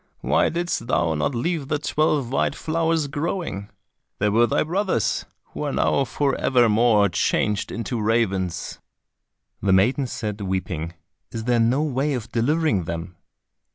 Why didst thou not leave the twelve white flowers growing? They were thy brothers, who are now for evermore changed into ravens." The maiden said, weeping, "Is there no way of delivering them?"